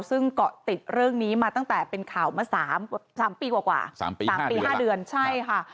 ซึ่งเกาะติดเรื่องนี้มาตั้งแต่เป็นข่าวมา๓ปีกว่า๓ปี๓ปี๕เดือนใช่ค่ะ